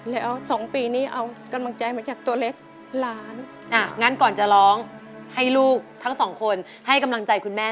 แล้ว๒ปีนี้เอากำลังใจมาจากตัวเล็กล้าน